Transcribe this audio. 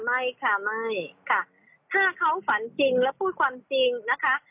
ไม่ค่ะไม่ค่ะถ้าเขาฝันจริงแล้วพูดความจริงนะคะ